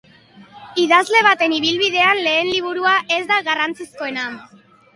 Idazle baten ibilbidean lehen liburua ez da garrantzizkoena.